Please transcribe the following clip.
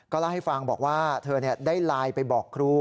เล่าให้ฟังบอกว่าเธอได้ไลน์ไปบอกครู